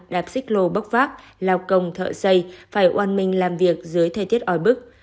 đạp xích lô bốc vác lao công thợ xây phải oan minh làm việc dưới thời tiết ỏi bức